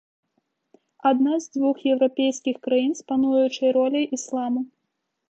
Адна з дзвюх еўрапейскіх краін з пануючай роляй ісламу.